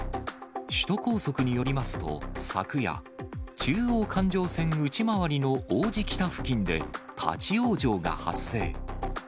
首都高速によりますと、昨夜、中央環状線内回りの王子北付近で、立往生が発生。